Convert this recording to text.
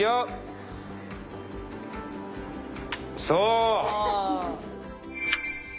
そう！